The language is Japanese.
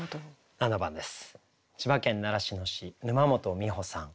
７番です。